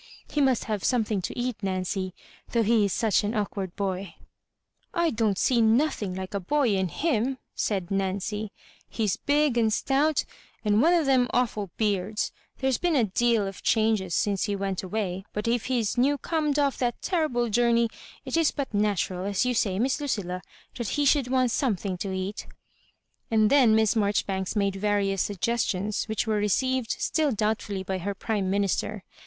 He must have some thing to eat, Nancy, though he is such an awk ward boy." "I don't see nothing like a boy in him," said Nancy; "he's big and stout, and one o' thenoi awful beards. There's been a deal of changes since he went away; but if he's new corned oflP Digitized by VjOOQIC MISS MAKJOBIBANKS. x75 that terrible journej, it is but natural, as you say, Miss Ludlla, tiiat he should want some thing to eat" And then Miss Maijoribanks made yarious suggestions, which were received still doubt fully by her prime minister.